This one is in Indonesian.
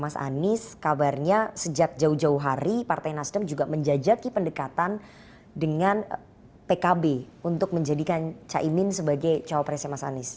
jadi dia gagal menjadi cowok presidennya mas anies kabarnya sejak jauh jauh hari partai nasdem juga menjajaki pendekatan dengan pkb untuk menjadikan caimin sebagai cowok presiden mas anies